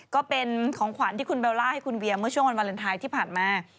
ก็เป็นของขวัญที่คุณเบลล่าให้คุณเวียเมื่อช่วงวันวาเลนไทยที่ผ่านมา